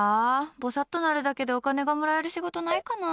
ぼさっとなるだけでお金がもらえる仕事ないかな。